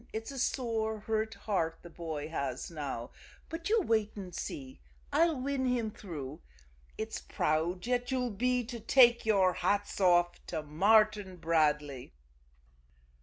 It's a sore, hurt heart the boy has now; but you wait and see I'll win him through. It's proud yet you'll be to take your hats off to Martin Bradley!"